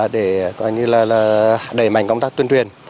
để đẩy mạnh công tác tuyên truyền